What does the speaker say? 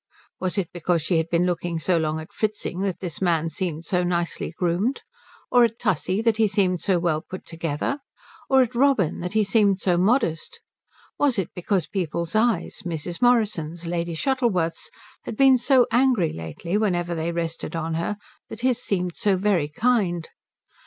Was it because she had been looking so long at Fritzing that this man seemed so nicely groomed? Or at Tussie, that he seemed so well put together? Or at Robin, that he seemed so modest? Was it because people's eyes Mrs. Morrison's, Lady Shuttleworth's had been so angry lately whenever they rested on her that his seemed so very kind?